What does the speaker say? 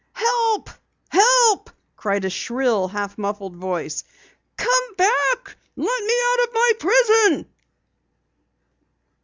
"Help! Help!" called a shrill, half muffled voice. "Come back, and let me out of my prison!"